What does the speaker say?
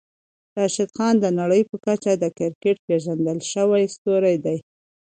راشدخان د نړۍ په کچه د کريکيټ پېژندل شوی ستوری دی.